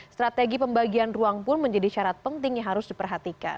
strategi pembagian ruang pun menjadi syarat penting yang harus diperhatikan